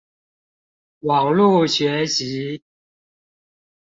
網路學習